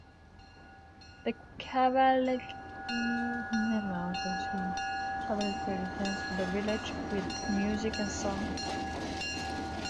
The cavalcade returns to the village with music and song.